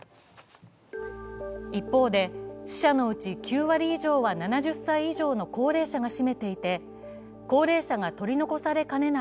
一方で、死者のうち９割以上は７０歳以上の高齢者が占めていて、高齢者が取り残されかねない